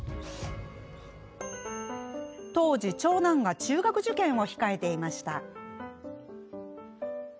当時長男が中学受験を控えていました。